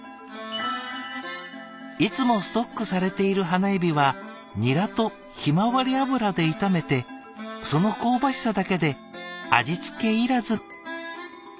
「いつもストックされている花えびはニラとひまわり油で炒めてその香ばしさだけで味付けいらず」。